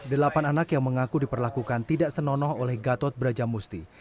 delapan anak yang mengaku diperlakukan tidak senonoh oleh gatot brajamusti